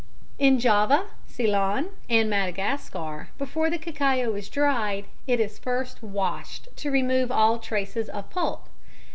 _ In Java, Ceylon and Madagascar before the cacao is dried, it is first washed to remove all traces of pulp.